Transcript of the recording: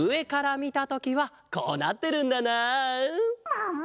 もも！